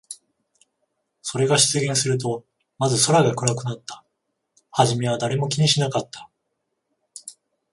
それが出現すると、まず空が暗くなった。はじめは誰も気にしなかった。